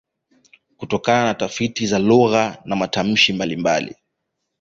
Kutokana na tafiti za lugha na matamshi mbalimbali